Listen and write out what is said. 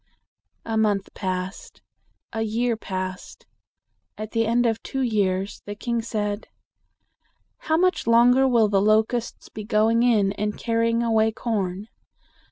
A month passed; a year passed. At the end of two years, the king said, "How much longer will the locusts be going in and carrying away corn?"